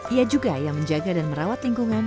ia juga yang menjaga dan merawat lingkungan